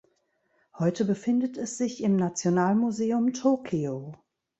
Heute befindet es sich im Nationalmuseum Tokio.